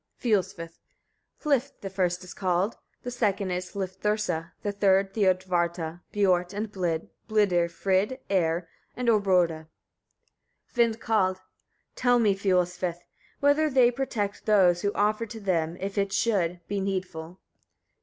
Fiolsvith. 39. Hlif the first is called, the second is Hlifthursa, the third Thiodvarta, Biort and Blid, Blidr, Frid, Eir and Orboda. Vindkald. 40. Tell me, Fiolsvith! etc., whether they protect those who offer to them, if it should, be needful?